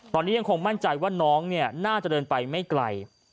ตอนนี้ยังคงมั่นใจว่าน้องเนี่ยน่าจะเดินไปไม่ไกล